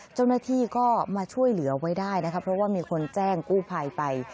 เจ้าหน้าที่ก็มาช่วยเหลือไว้ได้นะคะเพราะว่ามีคนแจ้งกู้ภัยไป